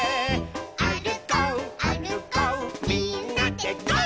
「あるこうあるこうみんなでゴー！」